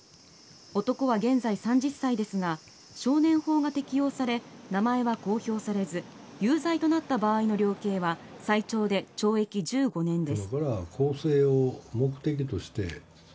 男は現在３０歳ですが少年法が適用され名前は公表されず有罪となった場合の量刑は最長で懲役１５年です。